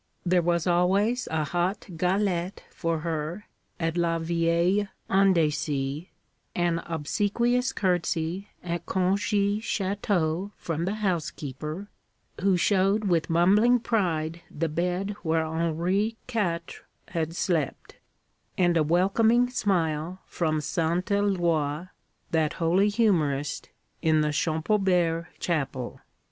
There was always a hot galette for her at 'la vieille Andecy,' an obsequious curtsy at Congy château from the housekeeper, who showed with mumbling pride the bed where Henri Quatre had slept; and a welcoming smile from St. Eloi, that holy humorist, in the Champaubert chapel.